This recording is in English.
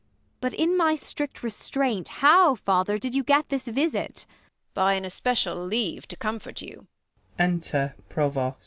But, in my strict Restraint, how, Father, did you get this visit 1 Frl Tho. By an especial leave to comfort you.